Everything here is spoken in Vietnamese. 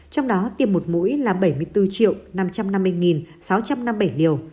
trong đó tiêm một mũi là bảy mươi bốn năm trăm năm mươi sáu trăm năm mươi bảy liều